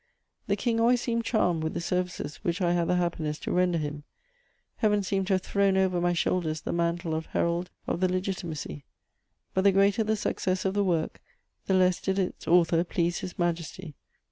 The King always seemed charmed with the services which I had the happiness to render him; Heaven seemed to have thrown over my shoulders the mantle of herald of the Legitimacy: but the greater the success of the work, the less did its author please His Majesty.